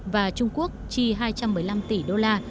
và trung quốc chi hai trăm một mươi năm tỷ đô la